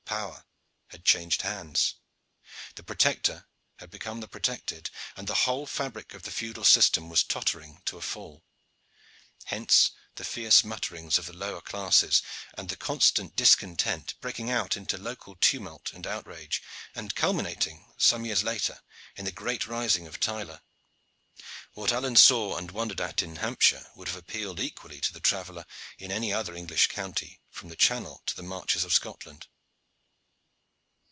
Power had changed hands. The protector had become the protected, and the whole fabric of the feudal system was tottering to a fall. Hence the fierce mutterings of the lower classes and the constant discontent, breaking out into local tumult and outrage, and culminating some years later in the great rising of Tyler. What Alleyne saw and wondered at in Hampshire would have appealed equally to the traveller in any other English county from the Channel to the marches of Scotland.